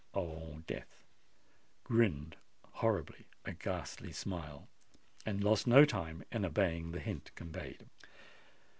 Old Death "grinned horribly a ghastly smile," and lost no time in obeying the hint conveyed.